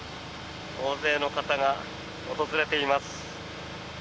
大勢の方が訪れています。